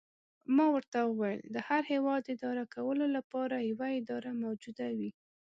ما ورته وویل: د هر هیواد اداره کولو لپاره یوه اداره موجوده وي.